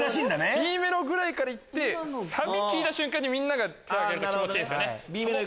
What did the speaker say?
Ｂメロぐらいから行ってサビ聴いた瞬間にみんな手挙げると気持ちいい。